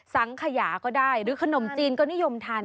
สังขยาก็ได้หรือขนมจีนก็นิยมทาน